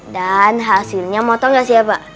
dan hasilnya mau tau nggak sih ya pak